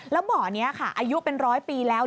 แล้วเบาะนี้ค่ะอายุเป็น๑๐๐ปีแล้ว